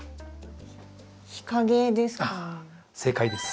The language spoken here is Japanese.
日陰ですかね。